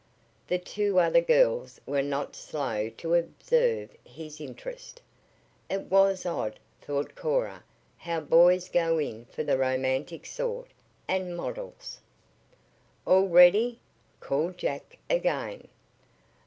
The two other girls were not slow to observe his interest. It was odd, thought Cora, how boys go in for the romantic sort and models! "All ready?" called Jack again.